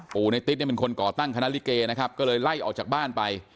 ในติ๊ดเนี่ยเป็นคนก่อตั้งคณะลิเกนะครับก็เลยไล่ออกจากบ้านไป